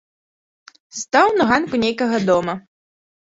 Стаў на ганку нейкага дома.